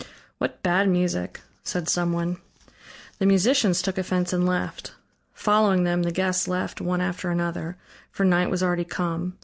"What bad music," said someone. The musicians took offense and left. Following them, the guests left one after another, for night was already come.